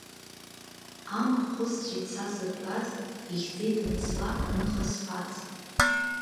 Амахә хысҵәеит са сзықәтәаз, ихьӡеит мыцла аныха зфаз.